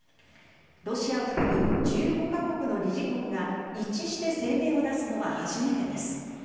ロシアを含む１５か国の理事国が一致して声明を出すのは初めてです。